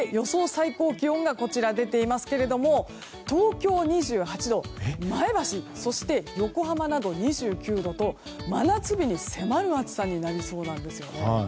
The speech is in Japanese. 最高気温が東京、２８度前橋や横浜などは２９度と真夏日に迫る暑さになりそうなんです。